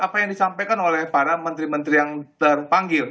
apa yang disampaikan oleh para menteri menteri yang terpanggil